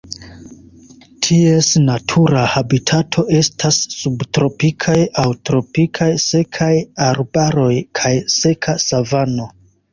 Ties natura habitato estas subtropikaj aŭ tropikaj sekaj arbaroj kaj seka savano.